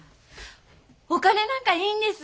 お金なんかいいんです。